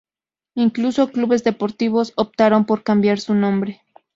Incluso clubes deportivos optaron por cambiar su nombre.